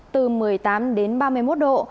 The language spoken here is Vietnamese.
từ một mươi tám đến ba mươi một độ